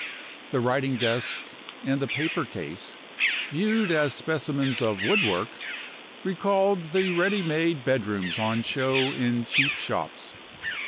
The writing desk and the paper case, viewed as specimens of woodwork, recalled the ready made bedrooms on show in cheap shops.